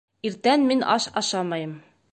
Иртән мин аш ашамайым